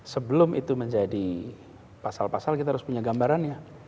sebelum itu menjadi pasal pasal kita harus punya gambarannya